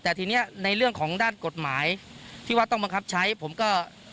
แต่ทีนี้ในเรื่องของด้านกฎหมายที่ว่าต้องบังคับใช้ผมก็